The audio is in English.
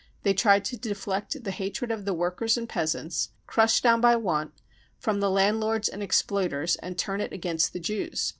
They tried to deflect the hatred of the workers and peasants, crushed down by want, from the landlords and exploiters, and turn it against the Jews.